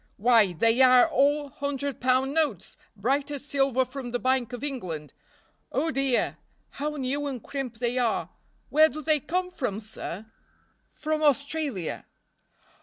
"Why, they are all hundred pound notes, bright as silver from the Bank of England. Oh, dear! how new and crimp they are where do they come from, sir?" "From Australia."